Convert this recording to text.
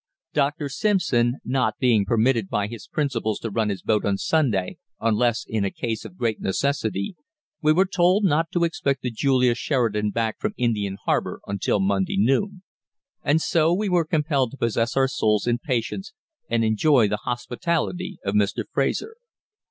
Dr. Simpson not being permitted by his principles to run his boat on Sunday, unless in a case of great necessity, we were told not to expect the Julia Sheridan back from Indian Harbour until Monday noon; and so we were compelled to possess our souls in patience and enjoy the hospitality of Mr. Fraser.